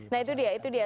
nah itu dia